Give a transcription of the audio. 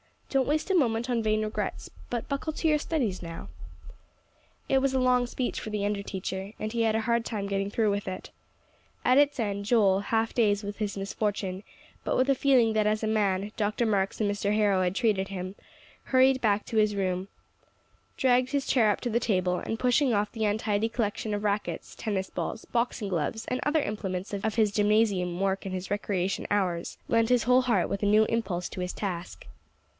Don't waste a moment on vain regrets, but buckle to your studies now." It was a long speech for the under teacher, and he had a hard time getting through with it. At its end, Joel, half dazed with his misfortune, but with a feeling that as a man, Dr. Marks and Mr. Harrow had treated him, hurried back to his room, dragged his chair up to the table, and pushing off the untidy collection of rackets, tennis balls, boxing gloves, and other implements of his gymnasium work and his recreation hours, lent his whole heart with a new impulse to his task.